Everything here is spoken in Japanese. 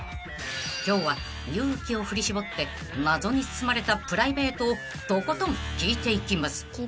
［今日は勇気を振り絞って謎に包まれたプライベートをとことん聞いていきます］